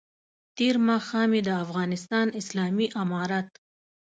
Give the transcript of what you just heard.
تېر ماښام یې د افغانستان اسلامي امارت